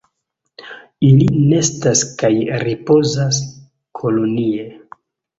Ili nestas kaj ripozas kolonie.